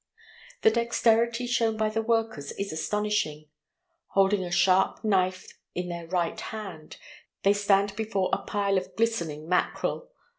The dexterity shown by the workers is astonishing. Holding a sharp knife in their right hand, they stand before a pile of glistening mackerel.